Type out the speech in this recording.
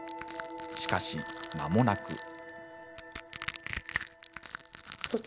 しかし、まもなく。